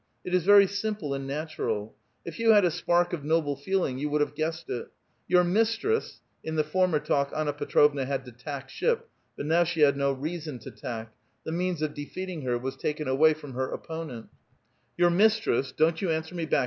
It is very simple and natural ; if you had a spark of noble feeling, you would have guessed it. Your mistress" — iu the former talk Anna Pe trovna had to tack ship, but now she liad no reason to tack ;( the means of defeating her was taken away from her oppo nent — "Your mistress — don't vou answer me back.